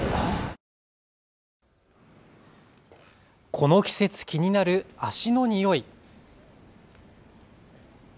この季節、気になる足の臭い。